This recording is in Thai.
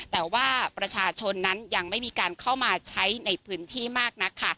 แต่ว่าประชาชนนั้นยังไม่มีการเข้ามาใช้ในพื้นที่มากนักค่ะ